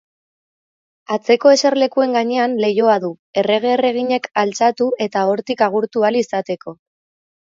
Atzeko eserlekuen gainean leihoa du, errege-erreginek altxatu eta hortik agurtu ahal izateko.